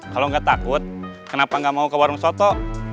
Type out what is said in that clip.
kalau gak takut kenapa gak mau ke warung soto